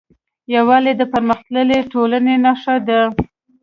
یووالی د پرمختللې ټولنې نښه ده.